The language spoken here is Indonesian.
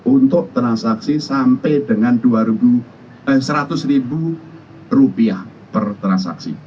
untuk transaksi sampai dengan rp seratus per transaksi